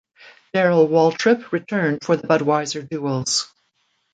Darrell Waltrip returned for the Budweiser Duels.